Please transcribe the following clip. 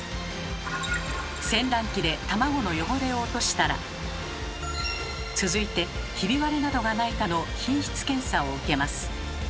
洗卵機で卵の汚れを落としたら続いてひび割れなどがないかの品質検査を受けます。